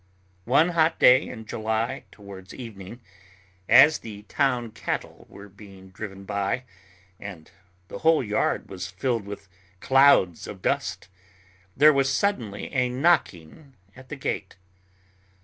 One hot day in July, towards evening, as the town cattle were being driven by, and the whole yard was filled with clouds of dust, there was suddenly a knocking at the gate.